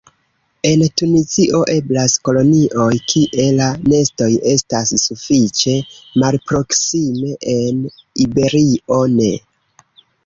En Tunizio eblas kolonioj kie la nestoj estas sufiĉe malproksime; en Iberio ne.